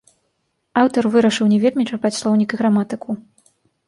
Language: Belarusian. Аўтар вырашыў не вельмі чапаць слоўнік і граматыку.